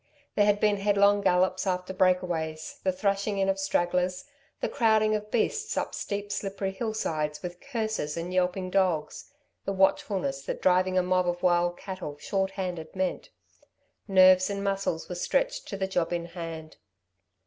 There had been headlong gallops after breakaways, the thrashing in of stragglers, the crowding of beasts up steep, slippery hillsides with curses and yelping dogs, the watchfulness that driving a mob of wild cattle short handed meant; nerves and muscles were stretched to the job in hand.